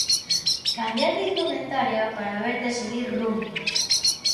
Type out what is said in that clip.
Cambiar de indumentaria para ver de seguir rumbo.